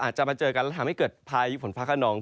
อาจจะมาเจอกันแล้วทำให้เกิดภายผลฟ้าข้าวนอง